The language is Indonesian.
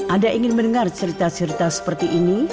anda ingin mendengar cerita cerita seperti ini